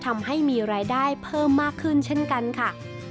ทำให้มีรายได้เพิ่มมากขึ้นเช่นกันค่ะ